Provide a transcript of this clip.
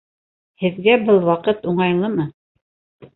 Һеҙгә был ваҡыт уңайлымы?